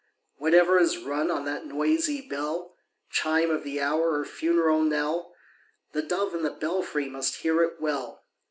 Whatever is rung on that noisy bell — Chime of the hour or funeral knell — The dove in the belfry must hear it well.